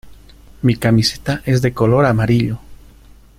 Mi camiseta es de color amarillo.